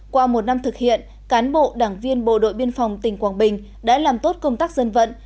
qua một năm thực hiện cán bộ đảng viên bộ đội biên phòng tỉnh quảng bình đã làm tốt công tác dân vận